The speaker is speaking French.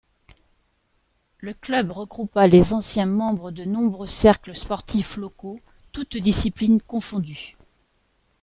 Le club regroupa les anciens membres de nombreux cercles sportifs locaux, toutes disciplines confondues.